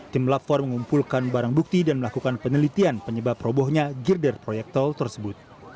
tim lab empat mengumpulkan barang bukti dan melakukan penelitian penyebab robohnya girder proyek tol tersebut